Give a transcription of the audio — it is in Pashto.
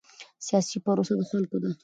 سیاسي پروسه د خلکو ده